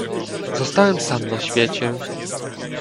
"Zostałem sam na świecie."